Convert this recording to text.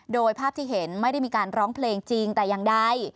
โดยภาพที่เห็นไม่ได้มีการร้องเพลงจริงแต่อย่างใด